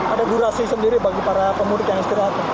ada durasi sendiri bagi para pemudik yang istirahat